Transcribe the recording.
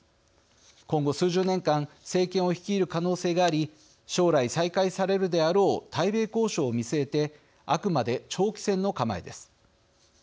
今後、数十年間政権を率いる可能性があり将来再開されるであろう対米交渉を見据えてあくまで長期戦の構えです。